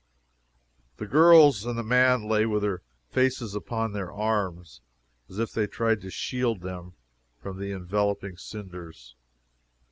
The girls and the man lay with their faces upon their arms, as if they had tried to shield them from the enveloping cinders.